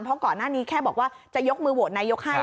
เพราะก่อนหน้านี้แค่บอกว่าจะยกมือโหวตนายกให้